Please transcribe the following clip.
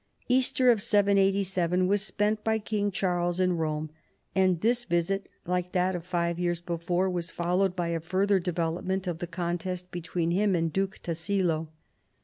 Easter of 787 was spent by King Charles in Kome, and this visit, like that of five years before was followed by a further development of the contest between him and Duke Tassilo.